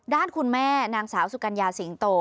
ด้านคุณแม่นางสาวสุกัญญาสิงโต